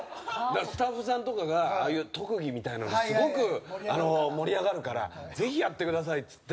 スタッフさんとかがああいう特技みたいなのすごく盛り上がるからぜひやってくださいっつって。